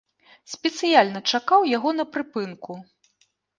Спецыяльна чакаў яго на прыпынку.